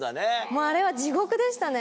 もうあれは地獄でしたね。